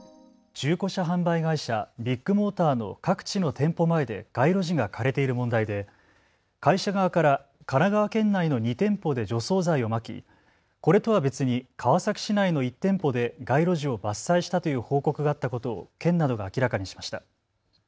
中古車販売会社、ビッグモーターの各地の店舗前で街路樹が枯れている問題で会社側から神奈川県内の２店舗で除草剤をまき、これとは別に川崎市内の１店舗で街路樹を伐採したという報告があったことを県などが明らかにしました。